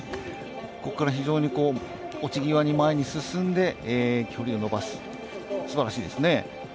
ここから非常に落ち際に前に進んで、距離を延ばす、すばらしいですね。